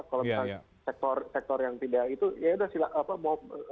kalau sektor yang tidak itu yaudah silahkan